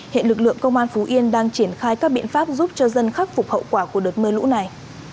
hiện lực lượng công an phú yên đang triển khai các biện pháp giúp cho dân khắc phục hậu quả của đợt mưa lũ này